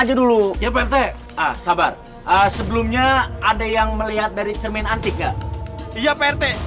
aja dulu iya pak rt sabar sebelumnya ada yang melihat dari cermin antik gak iya pak rt